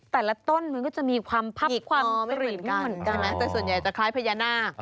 แต่ละต้นมันก็จะมีความพับความกลิ่นขึ้นเหมือนกันนะแต่ส่วนใหญ่จะคล้ายพญานาค